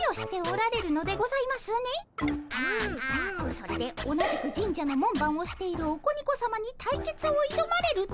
それで同じく神社の門番をしているオコニコさまに対決をいどまれると。